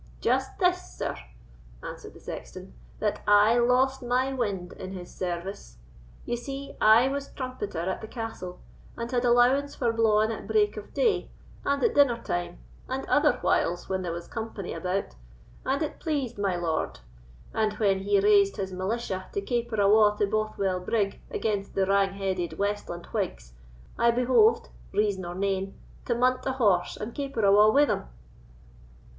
"Just this, sir," answered the sexton, "that I lost my wind in his service. Ye see I was trumpeter at the castle, and had allowance for blawing at break of day, and at dinner time, and other whiles when there was company about, and it pleased my lord; and when he raised his militia to caper awa' to Bothwell Brig against the wrang headed westland Whigs, I behoved, reason or name, to munt a horse and caper awa' wi' them."